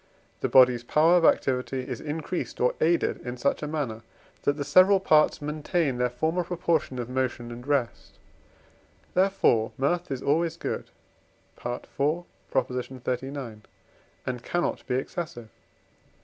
the body's power of activity is increased or aided in such a manner, that the several parts maintain their former proportion of motion and rest; therefore Mirth is always good (IV. xxxix.), and cannot be excessive.